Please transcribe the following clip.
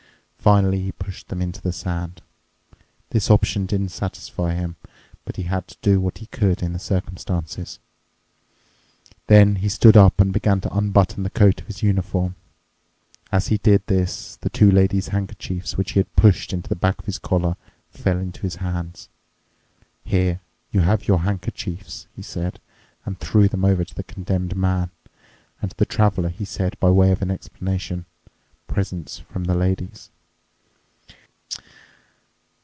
Finally he pushed them into the sand. This option didn't satisfy him, but he had to do what he could in the circumstances. Then he stood up and began to unbutton the coat of his uniform. As he did this, the two lady's handkerchiefs, which he had pushed into the back of his collar, fell into his hands. "Here you have your handkerchiefs," he said and threw them over to the Condemned Man. And to the Traveler he said by way of an explanation, "Presents from the ladies."